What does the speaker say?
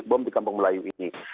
bom di kampung melayu ini